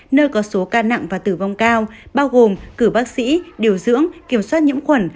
nơi có số ca nặng và tử vong cao bao gồm cử bác sĩ điều dưỡng kiểm soát nhiễm khuẩn